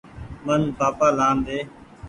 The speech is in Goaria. مين پآپآ لآن ۮي۔